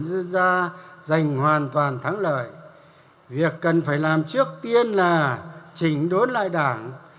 dân gia dành hoàn toàn thắng lợi việc cần phải làm trước tiên là chỉnh đốn lại đảng